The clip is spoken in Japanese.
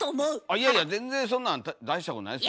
いやいや全然そんなん大したことないですよ